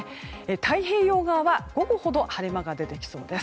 太平洋側は午後ほど晴れ間が出てきそうです。